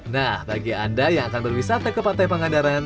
nah bagi anda yang akan berwisata ke pantai pangandaran